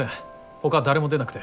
ほか誰も出なくて。